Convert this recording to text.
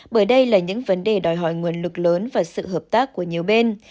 bởi đây là những vấn đề đòi hỏi nguồn lực lớn và sự hợp tác của nhiều bên